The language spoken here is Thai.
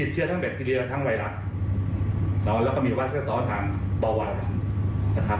เราก็ยอมรับผิดตรงนี้นะเพราะใครที่เราจะรอให้ผลโควิดออกก่อน